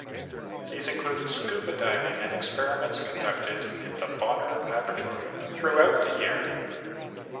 These included scuba diving and experiments conducted in the Bonner Laboratory throughout the year.